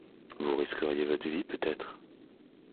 Vous risqueriez votre vie, peut-être.